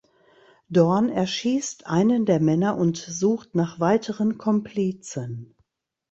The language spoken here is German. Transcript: Dorn erschießt einen der Männer und sucht nach weiteren Komplizen.